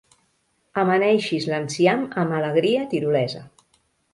Amaneixis l'enciam amb alegria tirolesa.